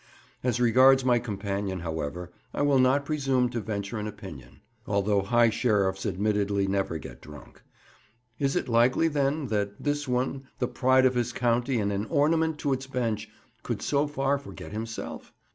As regards my companion, however, I will not presume to venture an opinion, although High Sheriffs admittedly never get drunk;—is it likely, then, that this one, the pride of his county and an ornament to its Bench, could so far forget himself?